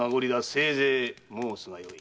せいぜい申すがよい。